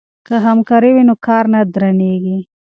که همکاري وي نو کار نه درنیږي.